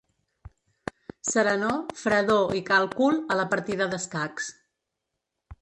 Serenor, fredor i càlcul a la partida d’escacs.